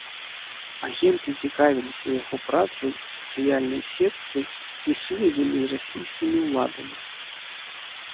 Агенты цікавіліся яго працай у сацыяльнай сетцы і сувязямі з расійскімі ўладамі.